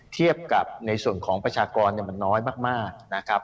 เทียบกับในส่วนของประชากรมันน้อยมากนะครับ